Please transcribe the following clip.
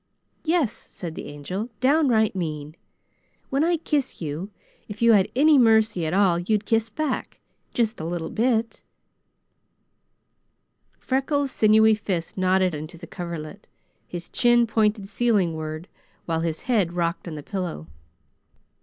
"Yes," said the Angel. "Downright mean. When I kiss you, if you had any mercy at all you'd kiss back, just a little bit." Freckles' sinewy fist knotted into the coverlet. His chin pointed ceilingward while his head rocked on the pillow.